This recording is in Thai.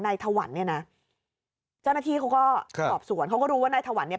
ถวันเนี่ยนะเจ้าหน้าที่เขาก็สอบสวนเขาก็รู้ว่านายถวันเนี่ย